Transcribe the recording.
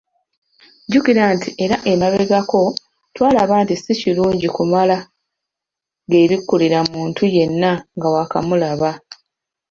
Jjukira nti era emabegako twalaba nti si kirungi kumala “geebikkulira” muntu yenna nga waakamulaba!